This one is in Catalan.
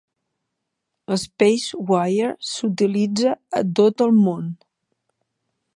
L'SpaceWire s'utilitza a tot el món.